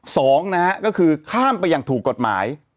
สองนะฮะก็คือข้ามไปอย่างถูกกฎหมาย